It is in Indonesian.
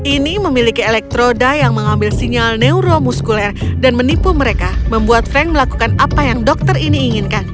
ini memiliki elektroda yang mengambil sinyal neuromuskuler dan menipu mereka membuat frank melakukan apa yang dokter ini inginkan